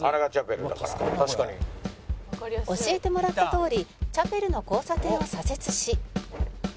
「教えてもらったとおりチャペルの交差点を左折し」